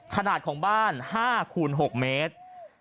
ขนาดของบ้าน๕คูณ๖เมตร